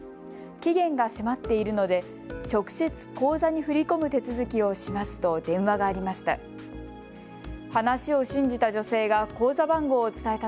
期限が迫っているので直接、口座に振り込む手続きをしますと電話がありました。